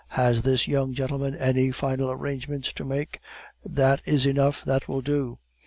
Has this young gentleman any final arrangements to make?" "That is enough; that will do."